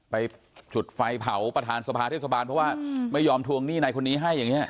ไปจุดไฟเผาประธานสภาเทศบาลเพราะว่าไม่ยอมทวงหนี้ในคนนี้ให้อย่างนี้